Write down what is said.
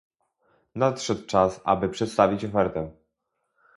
Nadszedł czas, aby przedstawić ofertę